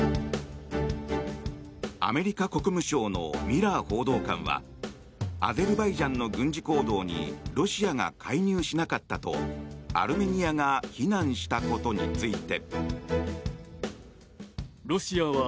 アメリカ国務省のミラー報道官はアゼルバイジャンの軍事行動にロシアが介入しなかったとアルメニアが非難したことについて。